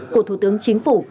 của thủ tướng chính phủ